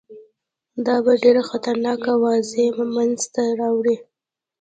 دا به ډېره خطرناکه وضع منځته راوړي.